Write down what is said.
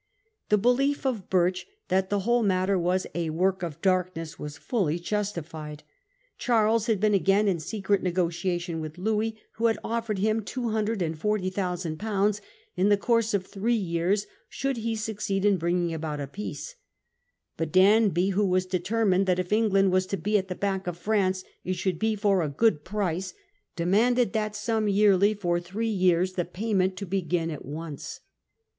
The belief of Birch that the whole matter was 4 a work of darkness ' was fully justified. Charles had been again in secret negotiation with Louis, who had offered him 240,000/. in the course of three years should he sue 2 $6 The Peace of Nimwegen . 1678. ceed in bringing about a peace. But Danby, who was determined that if England was to be at the beck of France it should be for a good price, demanded that sum yearly for three years, the payment to begin at once.